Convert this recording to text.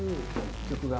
曲が。